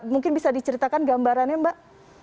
mungkin bisa diceritakan gambarannya mbak